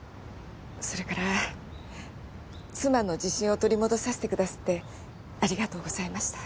それから妻の自信を取り戻させてくださってありがとうございました。